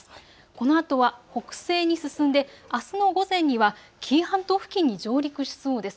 このあとは北西に進んであすの午前には紀伊半島付近に上陸しそうです。